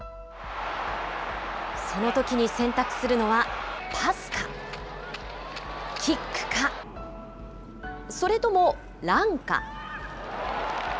そのときに選択するのはパスか、キックか、それともランか。